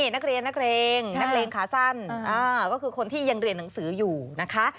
นักเรียนนักเลงนักเลงขาสั้นก็คือคนที่ยังเรียนหนังสืออยู่นะคะ